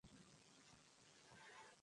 উদ্যান ও তার চারদিকে বিভিন্ন গাছপালা রয়েছে।